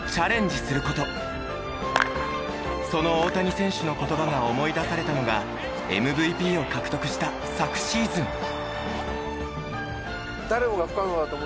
その大谷選手の言葉が思い出されたのがＭＶＰを獲得した昨シーズン。